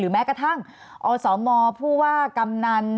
หรือแม้กระทั่งสอบหมอผู้ว่ากำนัน